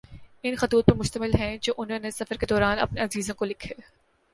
ان خطوط پر مشتمل ہیں جو انھوں نے سفر کے دوران اپنے عزیزوں کو لکھے